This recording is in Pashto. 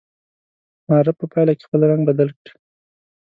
معرف په پایله کې خپل رنګ بدل کړي.